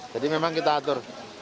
jadi memang kita atur